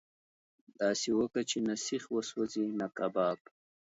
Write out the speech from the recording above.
داسي وکه چې نه سيخ وسوځي نه کباب.